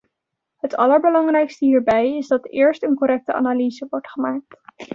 Het allerbelangrijkste hierbij is dat eerst een correcte analyse wordt gemaakt.